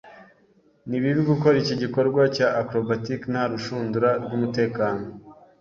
Ni bibi gukora iki gikorwa cya acrobatic nta rushundura rwumutekano.